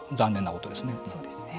そうですね。